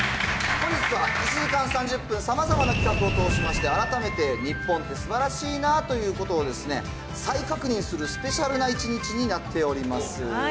本日は１時間３０分、さまざまな企画を通しまして、改めて日本って素晴らしいなっていうことをですね、再確認するスペシャルな一日になっております。